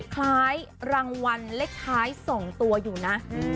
คล้ายรางวัลเลขท้าย๒ตัวอยู่นะ